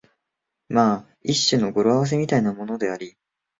まあ一種の語呂合せみたいなものであり、